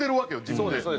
自分で。